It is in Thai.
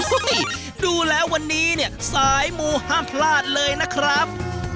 ดูแล้ววันนี้เนี่ยสายมูห้ามพลาดเลยนะครับ